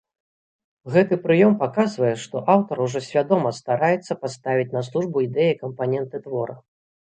Гэты прыём паказвае, што аўтар ужо свядома стараецца паставіць на службу ідэі кампаненты твора.